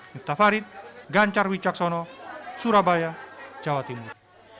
minta farid gancar wicaksono surabaya jawa timur